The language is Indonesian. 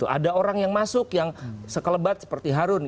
ada orang yang masuk yang sekelebat seperti harun